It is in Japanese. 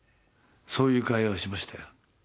そういう会話はしましたよ。